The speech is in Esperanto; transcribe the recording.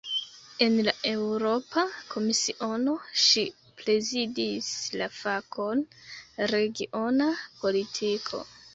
En la Eŭropa Komisiono ŝi prezidis la fakon "regiona politiko".